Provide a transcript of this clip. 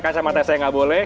kacamatanya saya tidak boleh